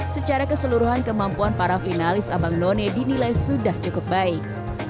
secara keseluruhan kemampuan para finalis abang none dinilai sudah cukup baik